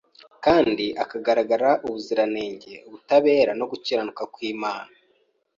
kandi akagaragaza ubuziranenge, ubutabera no gukiranuka kw’Imana.